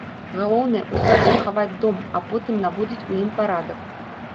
Галоўнае, усё ж захаваць дом, а потым наводзіць у ім парадак.